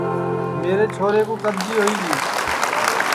میرے چھورے کُو کٻجی ہوئی گی